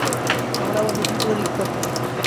তাহলে আবার নতুন করে লিখতে হয়।